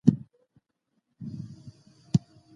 هر هدف ته د رسېدو لپاره اراده اړینه ده.